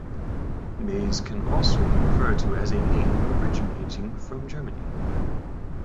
Meis can also be referred to as a name originating from Germany.